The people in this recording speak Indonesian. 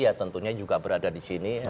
ya tentunya juga berada di sini